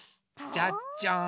じゃじゃん！